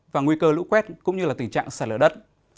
và nguy cơ lũ quét cũng như tình trạng sợi lỡ đất